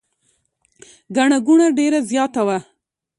ګڼه ګوڼه ډېره زیاته وه.